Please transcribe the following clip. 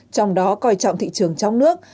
trong đó coi trọng thị trường trong nước